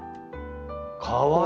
かわいい！